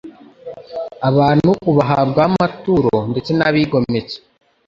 abantu ubahabwaho amaturo ndetse n’abigometse